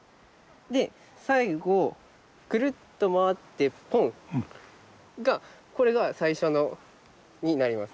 で最後クルっと回ってポンがこれが最初になります。